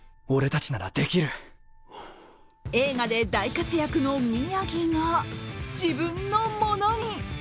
映画で大活躍の宮城が自分のものに。